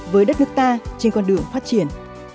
với đất nước ta trên con đường phát triển